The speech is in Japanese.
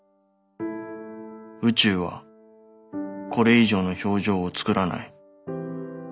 宇宙はこれ以上の表情を作らない。